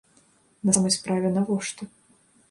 На самай справе, навошта?